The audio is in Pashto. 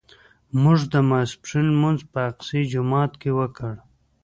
موږ د ماسپښین لمونځ په اقصی جومات کې وکړ.